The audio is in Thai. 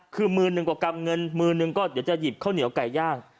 คือมือหนึ่งกว่ากำเงินมือหนึ่งก็เดี๋ยวจะหยิบข้าวเหนียวไก่ย่าง